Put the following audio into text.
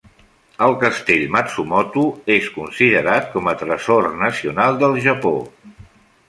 El castell Matsumoto és considerat com a Tresor Nacional del Japó.